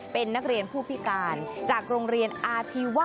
เป็นนักเรียนผู้พิการจากโรงเรียนอาชีวะ